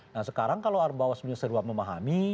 nah sekarang kalau bahwa selunya serba memahami